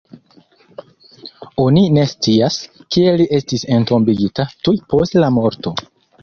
Oni ne scias, kie li estis entombigita tuj post la morto.